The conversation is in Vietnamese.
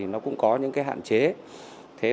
nó cũng có những cái hạn chế